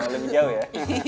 lebih jauh ya